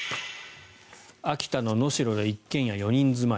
秋田の能代で一軒家、５人住まい。